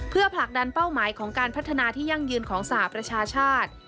เพื่อผลักดันเป้าหมายของการพัฒนาที่ยั่งยืนของสหประชาชาติ